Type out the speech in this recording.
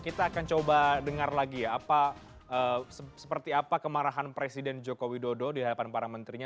kita akan coba dengar lagi ya seperti apa kemarahan presiden joko widodo di hadapan para menterinya